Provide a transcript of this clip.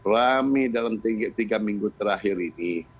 rame dalam tiga minggu terakhir ini